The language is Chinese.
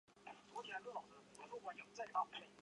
吴春晴生于宣统元年。